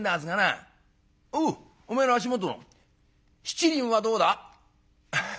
「おうお前の足元の七輪はどうだ？」。